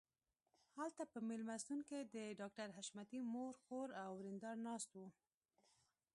هلته په مېلمستون کې د ډاکټر حشمتي مور خور او ورېندار ناست وو